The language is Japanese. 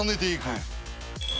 はい。